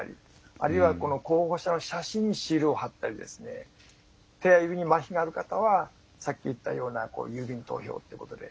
あるいは候補者の写真にシールを貼ったり手指にまひがある方はさっき言ったような郵便投票ということで。